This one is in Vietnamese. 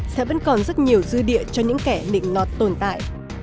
sẽ vẫn còn rất nhiều dư địa cho những kẻ nịnh nọt tồn tại